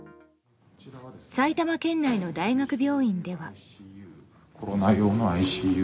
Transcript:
埼玉県内の大学病院では。